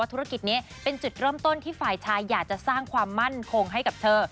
ธุรกิจนี้เป็นจุดเริ่มต้นที่ฝ่ายชายอยากจะสร้างความมั่นคงให้กับเธอ